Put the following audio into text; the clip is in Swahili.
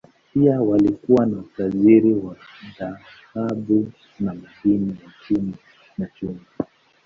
Pia walikuwa na utajiri wa dhahabu na madini ya chuma, na chumvi.